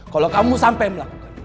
kalau kamu sampai melakukan